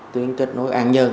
tuyến kết nối an nhơn